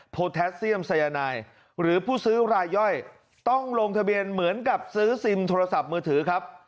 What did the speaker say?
แทสเซียมสัยนายหรือผู้ซื้อรายย่อยต้องลงทะเบียนเหมือนกับซื้อซิมโทรศัพท์มือถือครับ